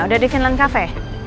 udah di finland cafe